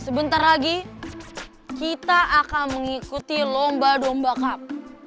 sebentar lagi kita akan mengikuti lomba domba cup